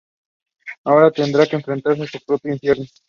Ahora tendrá que enfrentarse a su propio infierno.